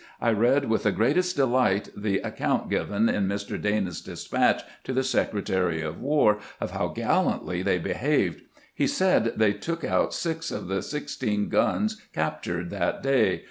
I read with the greatest delight the ac count given in Mr. Dana's despatch to the Secretary of War of how gallantly they behaved. He said they took six out of the sixteen guns captured that day.